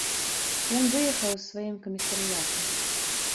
Ён выехаў з сваім камісарыятам.